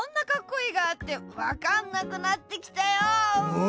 お！